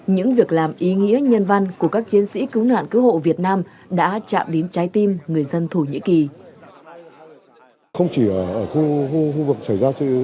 những việc làm ý nghĩa nhân văn của các chiến sĩ cứu nạn cứu hộ việt nam đã chạm đến trái tim người dân thổ nhĩ kỳ